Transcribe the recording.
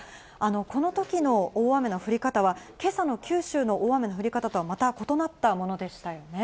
このときの大雨の降り方は、けさの九州の大雨の降り方とはまた異なったものでしたよね。